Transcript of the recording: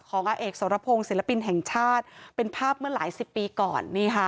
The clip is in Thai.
อาเอกสรพงศ์ศิลปินแห่งชาติเป็นภาพเมื่อหลายสิบปีก่อน